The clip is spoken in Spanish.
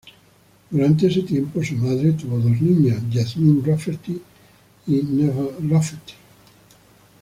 Durante ese tiempo, su madre tuvo dos niñas: Jasmin Rafferty y Neve Rafferty.